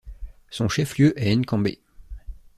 Son chef-lieu est Nkambé.